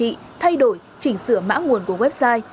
quản trị thay đổi chỉnh sửa mã nguồn của website